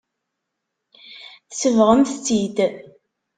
Tsebɣemt-tt-id.